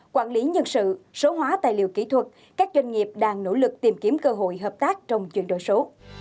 quản lý nhân sự số hóa tài liệu kỹ thuật các doanh nghiệp đang nỗ lực tìm kiếm cơ hội hợp tác trong chuyển đổi số